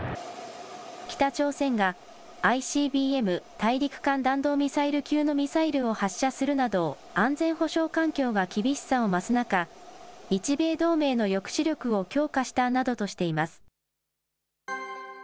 北朝鮮がＩＣＢＭ・大陸間弾道ミサイル級のミサイルを発射するなど、安全保障環境が厳しさを増す中、日米同盟の抑止力を強化したなどとしています。